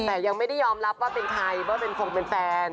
แต่ยังไม่ได้ยอมรับว่าเป็นใครว่าเป็นคงเป็นแฟน